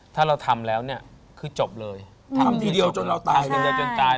ถ้าเราทำแล้วเนี่ยคือจบเลยทำทีเดียวจนเราตาย